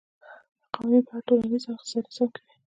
دا قوانین په هر ټولنیز او اقتصادي نظام کې وي.